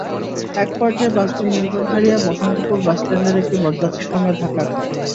একপর্যায়ে বাসটি নিয়ন্ত্রণ হারিয়ে বসন্তপুর বাসস্ট্যান্ডের একটি বটগাছের সঙ্গে ধাক্কা খায়।